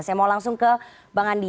saya mau langsung ke bang andi